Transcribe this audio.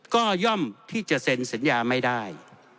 ก็ย่อมที่จะเซ็นสัญญาไม่ได้